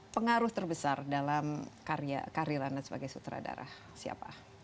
pengaruh terbesar dalam karir anda sebagai sutradara siapa